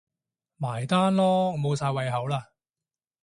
埋單囉，我無晒胃口喇